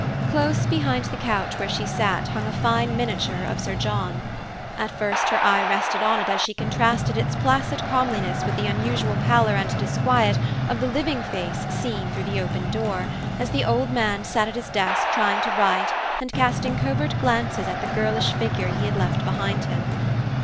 Close behind the couch where she sat hung a fine miniature of Sir John. At first her eye rested on it as she contrasted its placid comeliness with the unusual pallor and disquiet of the living face seen through the open door, as the old man sat at his desk trying to write and casting covert glances at the girlish figure he had left behind him.